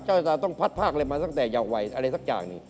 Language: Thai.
เจ้าชะตาต้องพัดภาคเลยมาตั้งแต่เยาว์วัยอะไรสักอย่างนี้